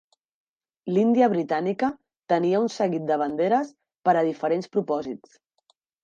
L'Índia britànica tenia un seguit de banderes per a diferents propòsits.